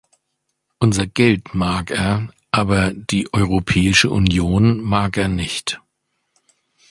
Unser Geld mag er, aber die Europäische Union mag er nicht.